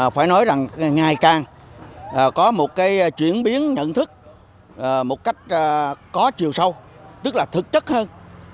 phải nói rằng ngày càng có một cái chuyển biến nhận thức một cách có chiều sâu tức là thực chất hơn